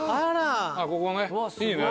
ここねいいね。